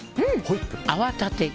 泡立て器。